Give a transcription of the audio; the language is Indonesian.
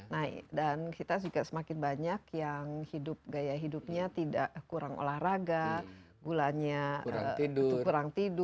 nah dan kita juga semakin banyak yang hidup gaya hidupnya tidak kurang olahraga gulanya kurang tidur